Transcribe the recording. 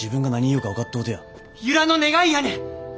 由良の願いやねん！